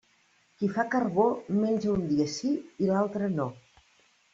Qui fa carbó menja un dia sí i l'altre no.